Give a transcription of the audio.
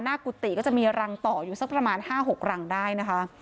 กุฏิก็จะมีรังต่ออยู่สักประมาณ๕๖รังได้นะคะ